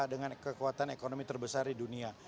dengan kekuatan ekonomi terbesar di dunia